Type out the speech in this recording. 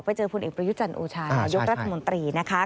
ไปเจอพลเอกประยุจรรย์โอชายกรัฐมนตรีนะคะ